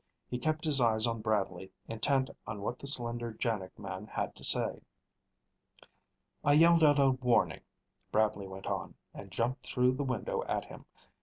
He kept his eyes on Bradley, intent on what the slender JANIG man had to say. "I yelled out a warning," Bradley went on, "and jumped through the window at him.